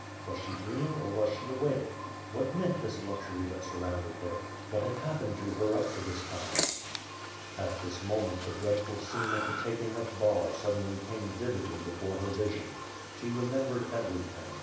Was she dream ing or was she awake? What meant this luxury that sur rounded her? What had happened to her up to this time?'' At this moment, the dreadful scene of the taking of Bar suddenly came vividly before her vision. She remembered everything.